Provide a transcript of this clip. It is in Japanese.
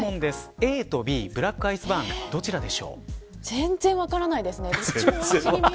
ＡとＢ、ブラックアイスバーン全然分からないですね。